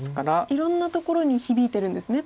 いろんなところに響いてるんですね